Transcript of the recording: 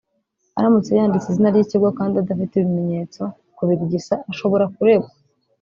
Aramutse yanditse izina ry'ikigo kandi adafite ibimenyetso (kubirigisa) ashobora kuregwa